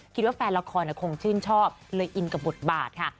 คิดว่าแฟนละครคงชื่นชอบเลยอินกับบทบาทค่ะ